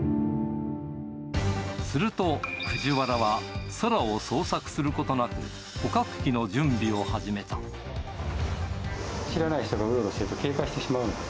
すると、藤原は宙を捜索することなく、知らない人がうろうろしていると警戒してしまうので。